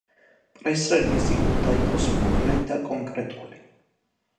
პრეს-რელიზი უნდა იყოს მოკლე და კონკრეტული.